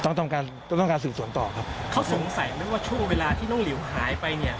ต้องการต้องต้องการสืบสวนต่อครับเขาสงสัยไหมว่าช่วงเวลาที่น้องหลิวหายไปเนี่ย